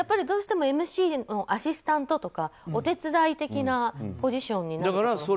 どうしてもＭＣのアシスタントとかお手伝い的なポジションになっちゃう。